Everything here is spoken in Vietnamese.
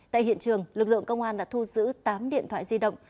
tại hiện trường lực lượng công an đã thu giữ tám điện thoại di động